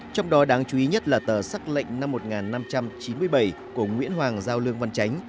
trong đó đáng chú ý nhất là tờ sắc lệnh năm một nghìn năm trăm chín mươi bảy của nguyễn hoàng giao lương văn chánh